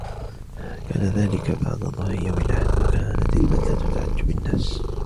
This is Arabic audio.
كان ذلك بعد ظهر يوم الاحد وكانت البلدة تعج بالناس.